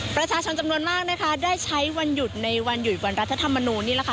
ประชาชนจำนวนมากนะคะได้ใช้วันหยุดในวันหยุดวันรัฐธรรมนูลนี่แหละค่ะ